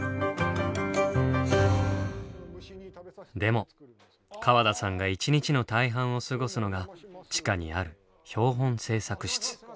でも川田さんが一日の大半を過ごすのが地下にある標本制作室。